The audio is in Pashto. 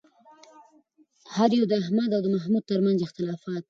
هر یو د احمد او محمود ترمنځ اختلافات